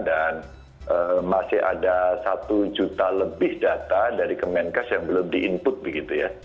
dan masih ada satu juta lebih data dari kemenkes yang belum di input begitu ya